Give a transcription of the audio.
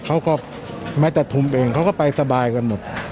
เขาก็แม้แต่ทุมเองเขาก็ไปสบายกันหมด